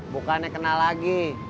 bukannya kenal lagi